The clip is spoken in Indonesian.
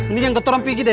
ini yang ketoran pinky